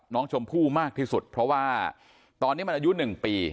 น้องชมพู่มากที่สุดเพราะว่าตอนนี้มันอายุ๑ปี